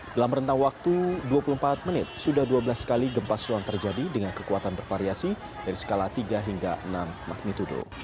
dalam rentang waktu dua puluh empat menit sudah dua belas kali gempa susulan terjadi dengan kekuatan bervariasi dari skala tiga hingga enam magnitudo